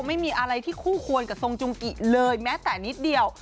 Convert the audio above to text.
ไม่มีอะไรที่คู่ควรกับทรงจุงกิเลยแม้แต่นิดเดียว